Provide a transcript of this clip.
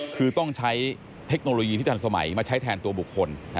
คือต้องใช้เทคโนโลยีที่ทันสมัยมาใช้แทนตัวบุคคล